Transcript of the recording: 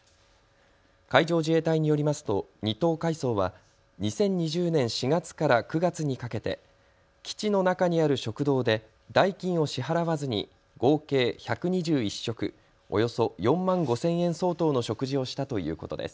海上自衛隊によりますと２等海曹は２０２０年４月から９月にかけて基地の中にある食堂で代金を支払わずに合計１２１食、およそ４万５０００円相当の食事をしたということです。